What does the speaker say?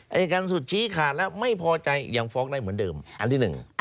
อายการสุดชี้ขาดแล้วไม่พอใจยังฟ้องได้เหมือนเดิมอันที่หนึ่ง